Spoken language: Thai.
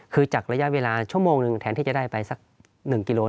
คือจากระยะเวลาชั่วโมงหนึ่งแทนที่จะได้ไปสัก๑กิโล